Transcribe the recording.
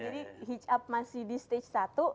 jadi hitch up masih di stage satu